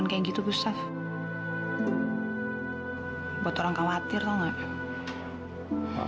yang gitu gustaf buat orang khawatir tahu enggak maaf maaf